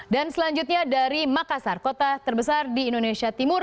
dan selanjutnya dari makassar kota terbesar di indonesia timur